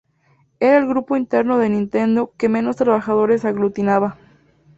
Era el grupo interno de Nintendo que menos trabajadores aglutinaba.